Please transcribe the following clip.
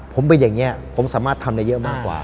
ผมเป็นอย่างนี้ผมสามารถทำได้เยอะมากกว่า